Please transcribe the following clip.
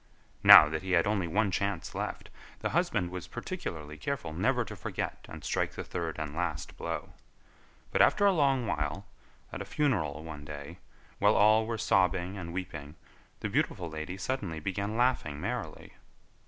Now that he had only one chance left, the husband was particularly careful never to forget and strike the third and last blow; but, after a long while, at a funeral one day, while all were sobbing and weeping, the beautiful lady suddenly began laughing merrily.